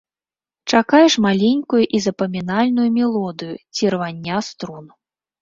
Чакаеш маленькую і запамінальную мелодыю ці рвання струн.